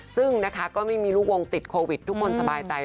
ซึ่งนะคะก็ไม่มีลูกวงติดโควิดทุกคนสบายใจ